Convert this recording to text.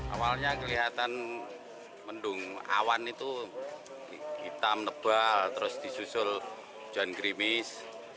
awalnya kelihatan mendung awan itu hitam nebal terus disusul hujan gerimis